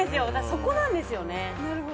そこなんですよね。